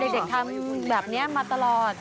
เด็กทำแบบนี้มาตลอด